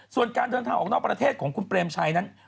ส่วนการเดินทางออกนอกประเทศของคุณเปรมชัยนั้น